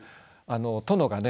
殿がね